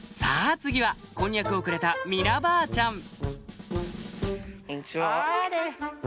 次はこんにゃくをくれたみなばあちゃんあれ。